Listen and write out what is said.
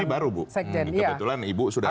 ini baru bu kebetulan ibu sudah